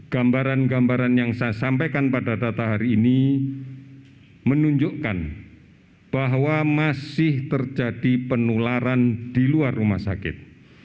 gambaran gambaran yang saya sampaikan pada data hari ini menunjukkan bahwa masih terjadi penularan di luar rumah sakit